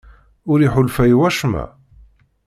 Ur iḥulfa i wacemma?